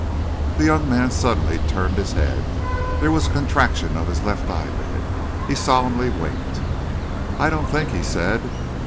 The young man suddenly turned his head. There was a contraction of his left eyelid. He solemnly winked. "I don't think!" he said.